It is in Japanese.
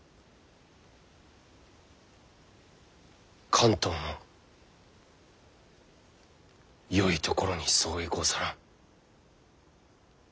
関東もよいところに相違ござらん。